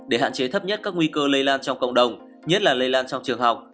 để hạn chế thấp nhất các nguy cơ lây lan trong cộng đồng nhất là lây lan trong trường học